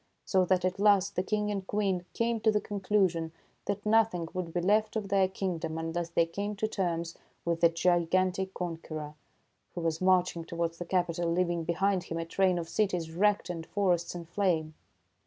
So that at last the King and Queen came to the conclusion that nothing would be left of their king dom unless they came to terms with the gigantic conqueror, who was marching towards the capital, leaving behind him a train of cities wrecked and forests in flame.